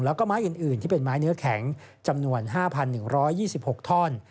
แล้วก็ไม้อื่นที่เป็นไม้เนื้อแข็งจำนวน๕๑๒๖ท่อน